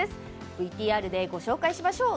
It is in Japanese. ＶＴＲでご紹介しましょう。